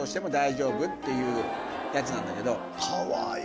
かわいい。